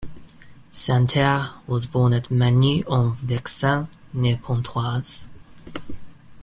Santerre was born at Magny-en-Vexin, near Pontoise.